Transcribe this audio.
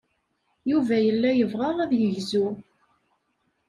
Yuba yella yebɣa ad yegzu.